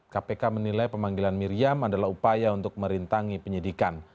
kpk menilai pemanggilan miriam adalah upaya untuk merintangi penyidikan